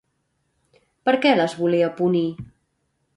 Per què les volia punir?